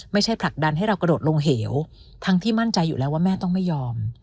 ผลักดันให้เรากระโดดลงเหวทั้งที่มั่นใจอยู่แล้วว่าแม่ต้องไม่ยอม